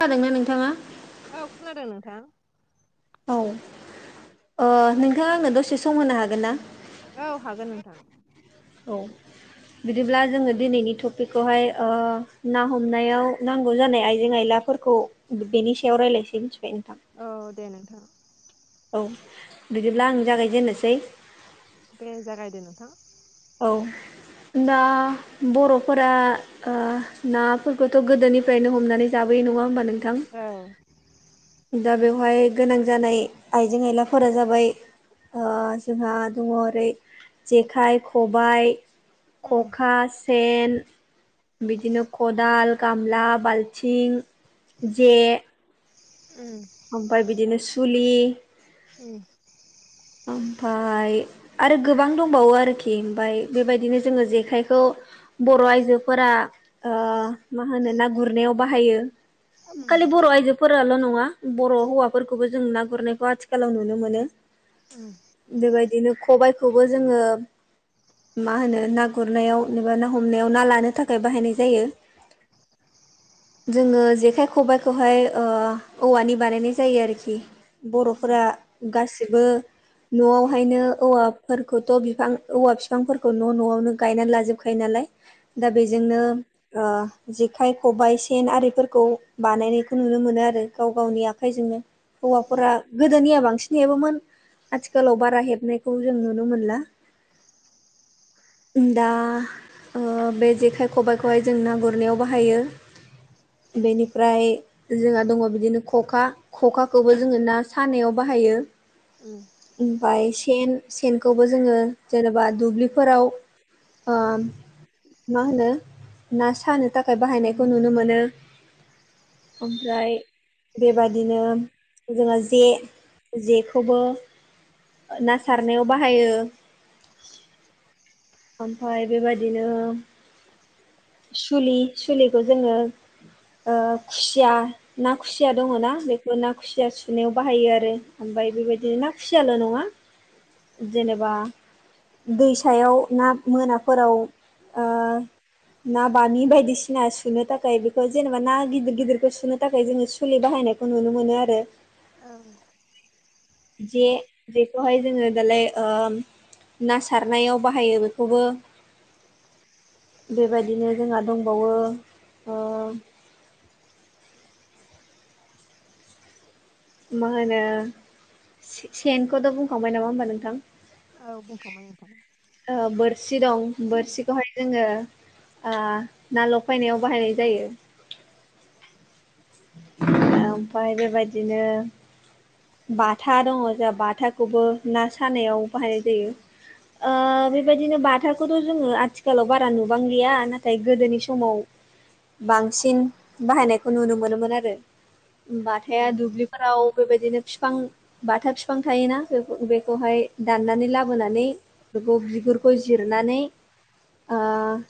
खोनादोंना नोंथाङा औ खोनादों नोंथां औ नोंथाङा ओ आंनो दसे सम होनो हागोन ना औ हागोन नोंथां औ बिदिब्ला जोङो दिनैनि टपिकखौहाय ओ ना हमनायाव नांगौ जानाय आइजें आइला फोरखौ बेनि सायाव रायलायसै मिथिबाय नोंथां औ दे नोंथां औ बिदिब्ला आं जागायजेनोसै दे जागायदो नोंथां औ दा बर'फोरा ओ नाफोरखौथ' गोदोनिफ्रायनो हमनानै जाबोयो नङा होमबा नोंथां औ दा बेवहाय गोनां जानाय आइजें आयलाफोरा जाबाय ओ जोंहा दङ ओरै जेखाइ खबाइ उम खखा सेन बिदिनो खदाल गामला बालथिं जे उम ओमफाय बिदिनो सुलि उम ओमफ्राय आरो गोबां दंबावो आरोखि ओमफाय बेबायदिनो जोङो जेखाइखौ बर' आइजोफोरा ओ मा होनो ना गुरनायाव बाहायो खालि बर' आइजोफोराल' नङा बर' हौवाफोरखौबो जों ना गुरनायखौ आथिखालाव नुनो मोनो उम बेबायदिनो खबाइखौबो जोङो मा होनो ना गुरनायाव एबा ना हमनायाव ना लानो थाखाय बाहायनाय जायो जोङो जेखाय खबाइखौहाय ओ औवानि बानायनाय जायो आरोखि उम बर'फोरा गासिबो न'आवहायनो औवाफोरखौथ' बिफां औवा बिफांफोरखौ न' न'आवनो गायनानै लाजोबखायो नालाय दा बेजोंनो ओ जेखाइ खबाइ सेन आरिफोरखौ बानायनायखौ नुनो मोनो आरो गाव गावनि आखाइजोंनो। हौवाफोरा गोदोनिया बांसिन हेबोमोन। आथिखालाव बारा हेबनायखौ जों नुनो मोनला। ओम दा ओ बे जेखाइ खबाइखौहाय जों ना गुरनायाव बाहायो। बेनिफ्राय जोंहा दङ बिदिनो खखा खखाखौबो जोङो ना सानायाव बाहायो। [unintelligible] ओमफाय सेन सेनखौबो जोङो जेनेबा दुब्लिफोराव ओ मा होनो ना सानो थाखाय बाहायनायखौ नुनो मोनो। ओमफ्राय बेबादिनो जोङो जे जेखौबो। ना सारनायाव बाहायो। ओमफाय बेबादिनो सुलि सुलिखौ जोङो ओ खुसिया। ना खुसिया दङ ना बेखौ ना खुसिया सुनायाव बाहायो आरो ओमफ्राय बेबायदिनो ना खुसियाल' नङा जेनेबा दैसायाव दा‌ ना मोनाफोराव ओ ना बाम बायदिसिना सुनो थाखाय बेखौ जेनेबा ना गिदिर गिदिरखौ सुनो थाखाय जोङो सुलि बाहायनायखौ नुनो मोनो आरो। आं जे जेखौहाय जोङो दालाय ना सारनायाव बाहायो बेखौबो बेबायदिनो जोंहा दंबावो। ओ मा होनो सेनखौथ' बुंखांबाय नामा होमबा नोंथां? औ बुंखांबाय नोंथां ओ बोरसि दं बोरसिखौहाय जोङो ओ ना लफायनायाव बाहायनाय जायो ओ ओमफ्राय बेबायदिनो बाथा दङ जोंहा बाथाखौबो ना सानायाव बाहायनाय जायो। ओ बेबायदिनो बाथाखौथ जोङो आथिखालाव बारा नुबांलिया नाथाय गोदोनि समाव बांसिन बाहायनायखौ नुनो मोनोमोन आरो बथाया उम दुब्लि जायो फोराव बेबादिनो बिफां बाथा बिफां थायोना बेखौहाय दाननानै लाबोनानै बेखौ बिगुरखौ जिरनानै ओ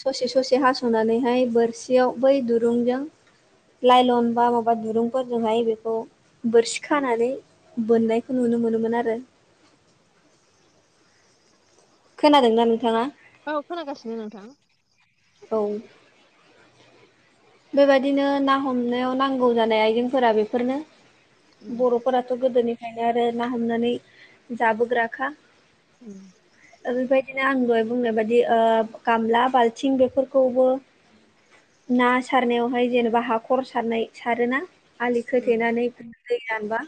ससे ससे हासनानैहाय बोरसियाव बै दुरुंजों लाइलन बा माबा दुरुंफोरजोंहाय बेखौ बोरसि खानानै बोननायखौ नुनो मोनोमोन आरो। खोनादोंना नोंथाङा? औ खोनागासिनो नोंथां। औ। बेबायदिनो ना हमनायाव नांगौ जानाय आइजेंफोरा बेफोरनो उम बर' फोराथ गोदोनिफ्रायनो आरो ना हमनानै जाबोग्राखा [unintelligible] ओ बेनिफ्राय आं दहाय बुंनाय बायदि ओ गामला बाल्थिं बेफोरखौबो ना सारनायावहाय जेनेबा हाखर सारनाय सारोना आलि उम खोथेनानै। दै रानबा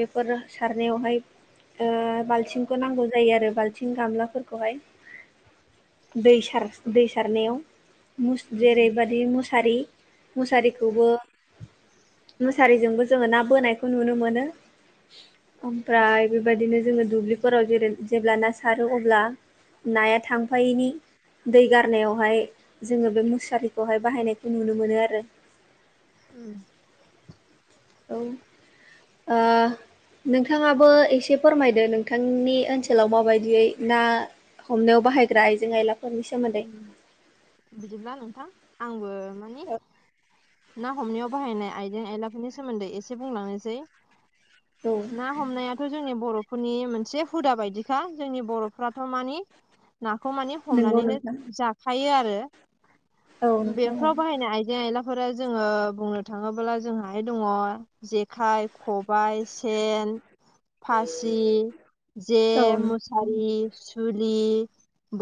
बेफोर सारनायावहाय बालथिंखौ नांगौ जायो आरो बालथिं गामला फोरखौहाय। दै दै सारनायाव उम जेरैबायादि मुस सारि मुसारिखौबो मुसारिजोंबो जोङो ना बोनायखौ नुनो मोनो ओमफ्राय बेबायदिनो जोङो दुब्लिफोराव जेरै जेब्ला ना सारो अब्ला नाया थांफायैनि दै गारनायावहाय जोङो बे मुसारिखौहाय बाहायनाय नुनो मोनो आरो उम औ ओ नोंथाङाबो एसे फोरमायदो नोंथांनि ओनसोलाव माबायदियै ना हमनायाव बाहायग्रा आइजें आइला उम बिदिब्ला नोंथां आंबो माने ना हमनायाव बाहायनाय आइजें आयलाफोरनि सोमोन्दै एसे बुंलांनोसै औ ना हमनायाथ जोंनि बर'फोरनि मोनसे हुदा बायदिखा जोंनि बर'फोराथ माने नाखौ माने नंगौ हमनानैनो नोंथां जाखायो आरो औ नोंथां औ बेफोराव बाहायनाय आयजें आयला फोरा जोङो बुंनो थाङोब्ला जोंहाय दङ जेखाइ खबाय सेन फासि जे औ नों औ मुसारि सुलि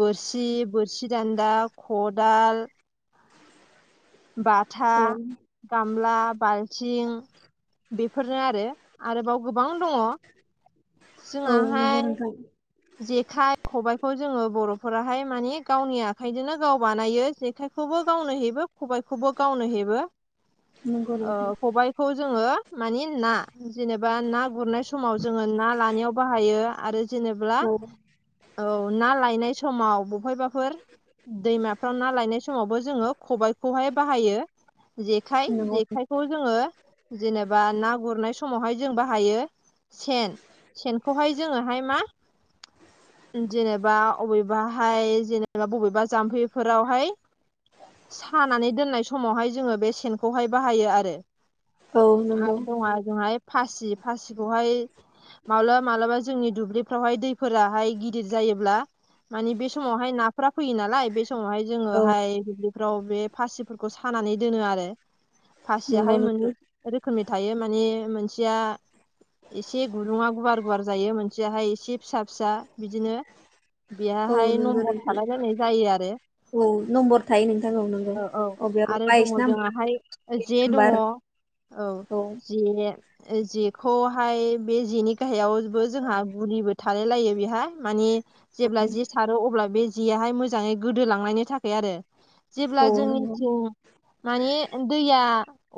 बोरसि बोरसि दान्दा खदाल बाथा औ गामला बालथिं बेफोरनो आरो आरोबाव गोबां दङ औ नंगौ नोथां जेखाय खबाइखौ जोङो बर'फोराहाय माने गावनि आखाइजोंनो गाव बानायो जेखाय खौबो गावनो हेबो खबायखौबो गावनो हेबो नंगौ ओ नोंथां खबाय खौ जोङो माने ना जेनेबा ना गुरनाय समाव जोङो ना लानायाव बाहायो आरो जेनेब्ला औ औ ना लायनाय समाव बहायबाफोर दैमाफ्राव ना लायनाय समावबो जोङो खबाइखौहाय बाहायो जेखाइ नंगौ जेखाय खौ जोङो जेनेबा ना गुरनाय समावहाय जों बाहायो सेन सेनखौहाय जोङोहाय मा जेनेबा अबेबाहाय जेनेबा बबेबा जाम्फैफोरावहाय सानानै दोननाय समावहाय जोङो बे सेनखौहाय बाहायो आरो औ नंगौ आरो दं आ ओजोंहाय फासि फासिखौहाय माब्लाबा मालाबा जोंनि दुब्लिफ्रावहाय दै फोराहाय गिदिर जायोब्ला मानि बे समावहाय नाफोरा फैयो नालाय बे समावहाय औ जोङोहाय दुब्लिफ्राव बे फासिफोरखौ सानानै दोनो आरो नंगौ फासियाहाय मोननै नोंथां रोखोमनि थायो माने मोनसेया एसे गुदुङा गुवार गुवार जायो मोनसेयाहाय एसे फिसा फिसा बिदिनो औ बेयहाय नंगौ नम्बर नोंथां थालायलायनाय जायो आरो औ नम्बर थायो नोंथां नंगौ औ औ अबेयाबा आरो बाइस दङ नाम्बार जोंहाय तेइस जे दङ नाम्बार औ जे जेखौहाय बे जेनि गाहायावबो जोंहा गुलिबो थालाय लायो बेहा माने जेब्ला जे सारो अब्ला बे जेयाहाय मोजाङै गोदोलांनायनि थाखाय आरो जेब्ला औ नंगौ जोंनिथिं माने दैया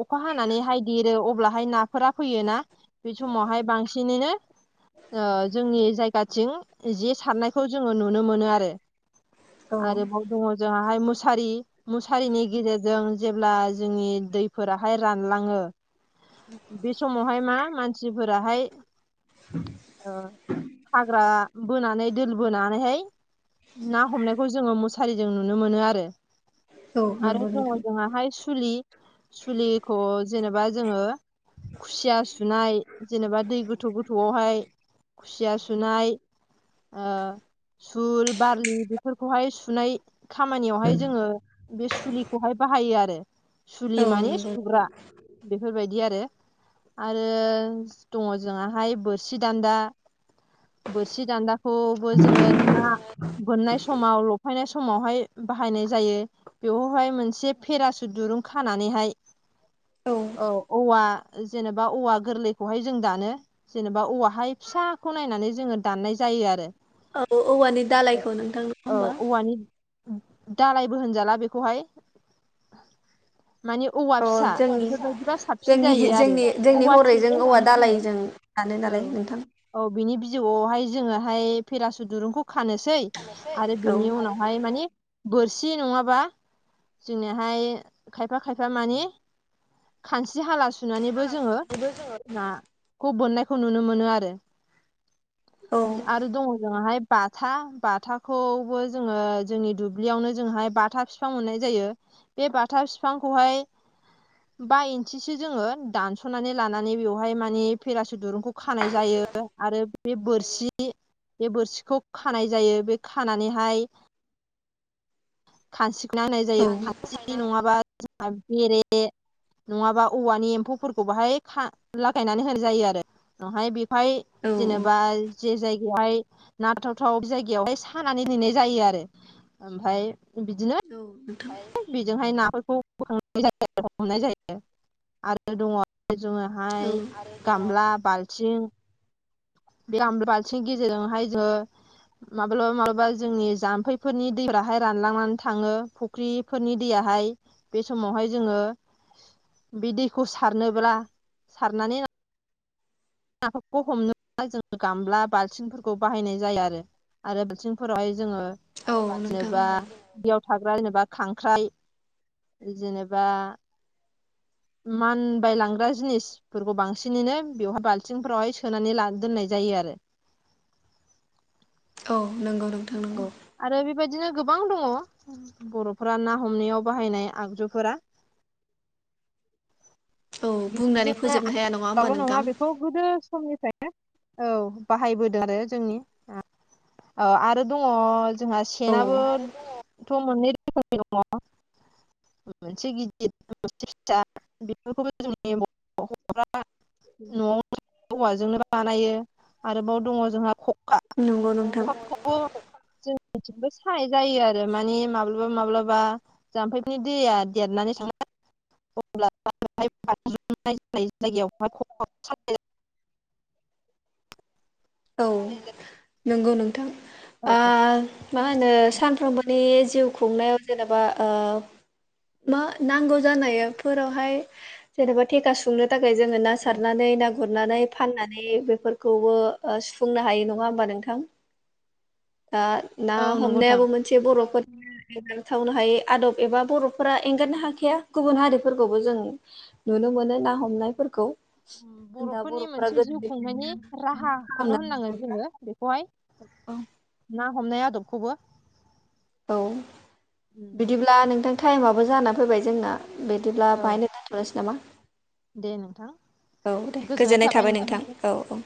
अखा हानानैहाय देरो अब्लाहाय नाफोरा फैयो ना बे समावहाय बांसिनैनो ओ जोंनि जायगाथिं जे सारनायखौ जोङो नुनो मोनो आरो औ आरोबाव दङ जोंहाहाय मुसारि मुसारिनि गेजेरजों जेब्ला जोंनि दैफोराहाय रानलाङो बे समावहाय मा मानसिफोराहाय [inaudible] ओ हाग्रा बोनानै दोल बोनानैहाय ना हमनायखौ जोङो मुसारिजों नुनो मोनो आरो औ आरो नंगौ दङ नोंथां जोंहाहाय सुलि सुलिखौ जेनेबा जोङो खुसिया सुनाय जेनेबा दै गोथौ गोथौआवहाय खुसिया सुनाय ओ सुल बारलि बेफोरखौहाय सुनाय खामानियावहाय जोङो बे सुलिखौहाय बाहायो आरो सुलि औ माने नंगौ सुग्रा बेफोरबायदि आरो आरो दङ जोंआहाय बोरसि दान्दा बोरसि दान्दाखौबो जोङो ना बोननाय समाव लफायनाय समावहाय बाहायनाय जायो बेवहाय मोनसे पेरासुट दुरुं खानानैहाय औ औवा जेनेबा औवा गोरलैखौहाय जों दानो जेनेबा औवाहाय फिसाखौ नायनानै जोङो दाननाय जायो आरो औ औवानि दालायखौ नोंथां नङा औ होमबा औवानि दालायबो होनजाला बेखौहाय माने औवा अ फिसा जोंनि बेफोरबायदिबा साबसिन जोंनि जायो आरो जोंनि जोंनि औवा थेरे हरैजों औवा होननानै बुङो दालायजों दानो नालाय औ नोंथां औ बिनि बिजौआवहाय जोङोहाय फेरासुट दुरुंखौ खानोसै आरो औ बिनि उनावहाय माने बोरसि नङाबा जोंनिहाय खायफा खायफा माने खानस्रि हाला सुनानैबो जोङो नाखौ बोननायखौ नुनो मोनो आरो औ आरो दङ जोंआहाय बाथा बाथाखौबो जोङो जोंनि दुब्लियावनो जोंहाय बाथा फि फां मोननाय जायो बे बाथा बिफांखौहाय बा इन्सिसो जोङो दानस'नानै लानानै बेवहाय माने पेरासुट दुरुंखौ खानाय जायो। आरो बे बोरसि बे बोरसिखौ खानाय जायो बे खानानैहाय खानस्रिखौ होनाय औ जायो खानसि नङाबा जोंहा बेरे नङाबा औवानि एम्फौफोरखौ बाहाय खा लागायनानै होनाय जायो आरो उनावहाय बेहाय औ जेनेबा जे जायगा बेहाय नांथाव थाव जायगायावहाय सानानै नेनाय जायो आरो ओमफ्राय बिदिनो औ नोंथां बेजोंहाय नाफोरखौ बोखांनाय जायो हमनाय जायो आरो दङ औ जोङोहाय गामला बाल्थिं [unintelligible] बालथिं गेदेरजोंहाय जोङो माब्लाबा माब्लाबा जोंनि जाम्फैफोरनि दैफोराहाय रानलांनानै थाङो फुख्रिफोरनि दैयाहाय बे समावहाय जोङो बे दैखौ सारनोब्ला सारनानै नाफोरखौ हमनो जोङो गामला बाल्थिंफोरखौ बाहायनाय जायो आरो आरो बालथिंफोरावहाय जोङो औ नोंथां जेनेबा दैयाव थाग्रा होनोबा खांख्राइ जेनेबा मान बाय लांग्रा जिनिसफोरखौ बांसिनैनो बेवहाय बाल थिंफ्रावहाय सोनानै ला दोननाय जायो आरो औ नंगौ नों औ आरो बेबायदिनो गोबां दङ बर'फोरा ना हमनायाव बाहायनाय आगजुफोरा औ बुंनानै बिदिजोंनो फोजोबनो हाया होमबा आंनावल' नोंथां? नङा बेखौ गोदो समनिफ्रायनो औ बाहायबोदों आरो जोंनि औ आरो दङ जोंहा औ सेनाबो थ' मोननै रोखोमनि दङ मोनसे गिदिर मोनसे फिसा बेफोरखौ जोंनि बर'फ्रा न'आव औवाजोंनो बानायो आरोबाव दङ जोंहा ख नंगौ नोंथां [unintelligible] जोंथिबो सानाय जायो आरो माने माब्ला माब्लाबा माब्लाबा जाम्फैनि दैया देरनानै [unintelligible] औ नंगौ नोंथां आ मा होनो सानफ्रोमबोनि जिउ खुंनायाव जेनेबा ओ मा नांगौ जानायफोरावहाय जेनेबा थेखा सुंनो थाखाय जोङो ना औ सारनानै ना गुरनानै फाननानै बेफोरखौबो ओ सुफुंनो हायो नङा होमबा नोंथां दा ना औ औ नंगौ नोंथां हमनायाबो मोन से बर'फोर थावनो हायै आदब एबा बर'फोरा एंगारनो हाखाया गुबुन हारिफोरखौबो जों नुनो मोनो ना हमनायफोरखौ दा बर'फोरनि बर'फोरा गोदोनिफ्रायनो खौनो होननांगोन खालामनानै जोङो बेखौहाय ना हमनाय आदबखौबो औ बिदिब्ला नोंथां टाइमाबो जाना फैबाय जोंना बिदिब्ला औ बाहायनो दोनथ'लायसै नामा दे नोंथां औ दे गोजोननाय थाबाय नोंथां औ औ